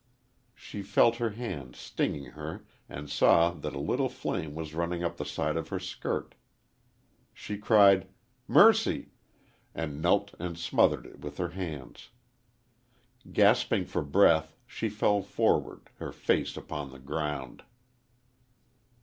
She felt her hand stinging her and saw that a little flame was running up the side of her skirt. She cried, "Mercy!" and knelt and smothered it with her hands. Gasping for breath, she fell forward, her face upon the ground.